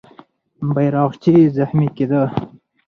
بیرغچی زخمي کېده.